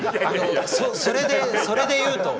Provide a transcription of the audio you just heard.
それで言うと。